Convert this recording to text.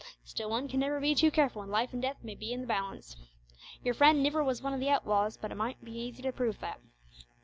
Still one can never be too careful when life and death may be i' the balance. Your friend niver was one o' the outlaws, but it mightn't be easy to prove that."